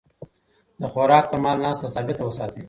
د خوراک پر مهال ناسته ثابته وساتئ.